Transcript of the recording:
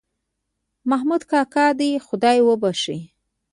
محمود کاکا دې خدای وبښي